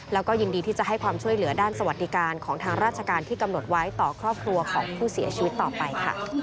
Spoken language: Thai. แล้วก็ยินดีที่จะให้ความช่วยเหลือด้านสวัสดิการของทางราชการที่กำหนดไว้ต่อครอบครัวของผู้เสียชีวิตต่อไปค่ะ